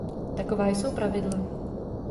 Taková jsou pravidla.